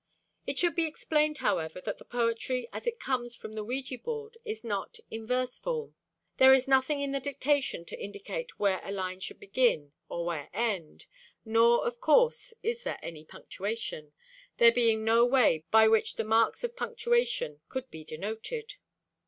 It should be explained, however, that the poetry as it comes from the ouija board is not in verse form. There is nothing in the dictation to indicate where a line should begin or where end, nor, of course, is there any punctuation, there being no way by which the marks of punctuation could be denoted.